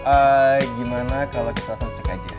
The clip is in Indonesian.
eh gimana kalau kita langsung cek aja